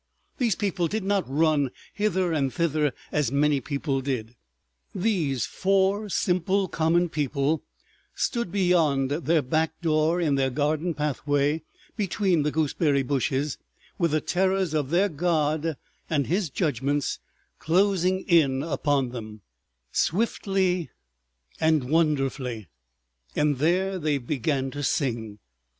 These people did not run hither and thither as many people did. These four simple, common people stood beyond their back door in their garden pathway between the gooseberry bushes, with the terrors of their God and His Judgments closing in upon them, swiftly and wonderfully—and there they began to sing.